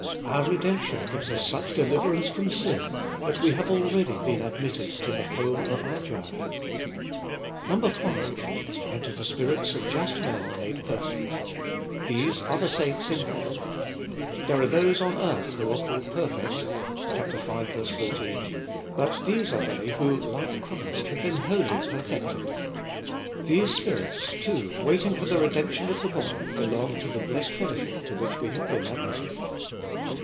Our redemption gives us such deliverance from sin, that we have already been admitted to the home of our Judge. 5. And to the spirits of just men made perfect. These are the saints in heaven. There are those on earth who are called perfect (v. 14), but these are they who, like Christ, have been wholly perfected. These spirits, too, waiting for the redemption of the body, belong to the blessed fellowship to which we have been admitted.